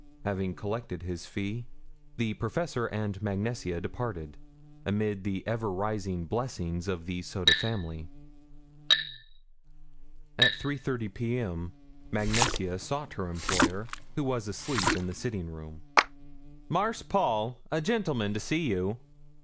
Having collected his fee, the professor and Mag Nesia departed, amid the ever rising blessings of the Soda family. At 3:30 P.M. Mag Nesia sought her employer, who was asleep in the sitting room. "Marse Paul, a gentleman to see you."